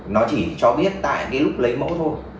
nó chỉ cho biết tại cái lúc lấy mẫu thôi